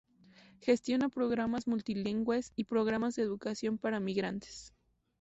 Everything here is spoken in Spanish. Gestiona programas multilingües y programas de educación por migrantes.